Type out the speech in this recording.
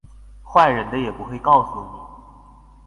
壞人的也不會告訴你